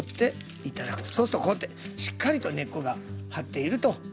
そうするとこうやってしっかりと根っこが張っていると。